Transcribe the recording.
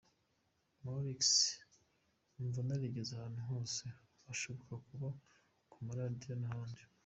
Maurix: Numva nazigeza ahantu hose hashoboka haba ku maradiyo n’ahandi.